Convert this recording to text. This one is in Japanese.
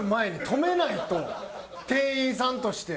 店員さんとして。